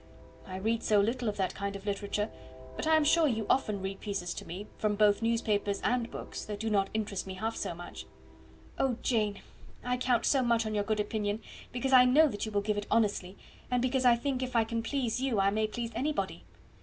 "I read so little of that kind of literature; but I am sure you often read pieces to me, from both newspapers and books, that do not interest me half so much." "Oh, Jane, I count so much on your good opinion, because I know that you will give it honestly, and because I think if I can please you I may please anybody."